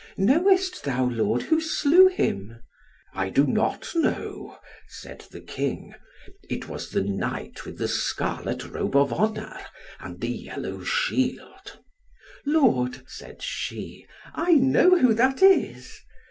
"Knowest thou, lord, who slew him?" "I do not know," said the King. "It was the knight with the scarlet robe of honour, and the yellow shield." "Lord," said she, "I know who that is."